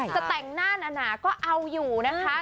จะแต่งหน้าหนาก็เอาอยู่นะคะ